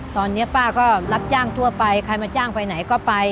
ตอนนี้ป้าก็รับจ้างทั่วไปใครมาจ้างไปไหนก็ไป